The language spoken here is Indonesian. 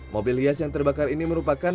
mobil hias yang terbakar ini merupakan